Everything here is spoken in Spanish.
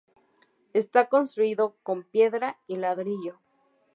Está construido con piedra y ladrillo.